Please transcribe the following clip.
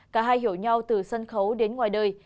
cả hai hiểu nhau từ sân khấu đến ngoài đời